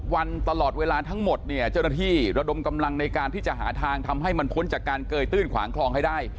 วันตลอดเวลาทั้งหมดเนี่ยเจ้าหน้าที่ระดมกำลังในการที่จะหาทางทำให้มันพ้นจากการเกยตื้นขวางคลองให้ได้